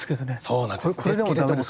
そうなんですね。